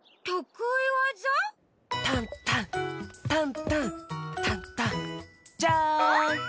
タンタンタンタンタンタンジャン！